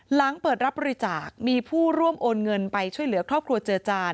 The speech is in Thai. หลังเปิดรับบริจาคมีผู้ร่วมโอนเงินไปช่วยเหลือครอบครัวเจือจาน